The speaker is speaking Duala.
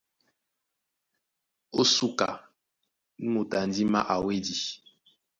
Ó súká, nú moto a ndímá a wédi.